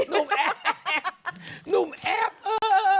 หนุ่มแอฟหนุ่มแอฟเออ